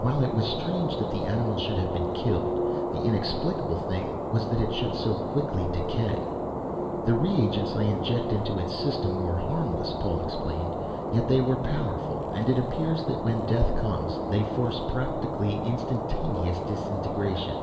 While it was strange that the animal should have been killed, the inexplicable thing was that it should so quickly decay. "The reagents I injected into its system were harmless," Paul explained. "Yet they were powerful, and it appears that when death comes they force practically instantaneous disintegration.